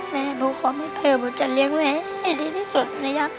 แม่หนูขอให้เธอหนูจะเลี้ยงแม่ให้ดีที่สุดนะครับ